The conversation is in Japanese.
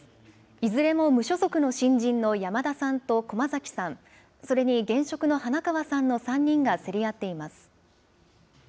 いずれも無所属の新人の山田さんと駒崎さん、それに現職の花川さんの３人が競り合っています。